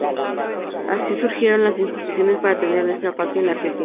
Así surgieron las instituciones para tener "nuestra patria en la Argentina".